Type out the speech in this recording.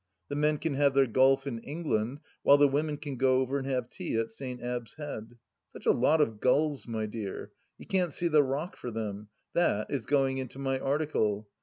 The men can have their golf in England while the women can go over and have tea at St. Abb's Head. Such a lot of gulls, my dear, you can't see the rock for them ! That is going into my article.